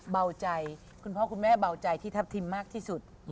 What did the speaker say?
เบาใจคุณพ่อคุณแม่เบาใจที่ทัพทิมมากที่สุด